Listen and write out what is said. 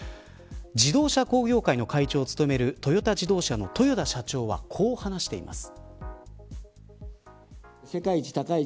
自動車工業会の会長を務めるトヨタ自動車の豊田社長はこう話しています。